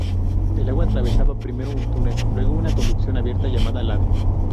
El agua atravesaba primero un túnel, luego una conducción abierta llamada "lade".